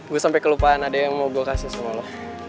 gue sampai kelupaan ada yang mau gue kasih semua lo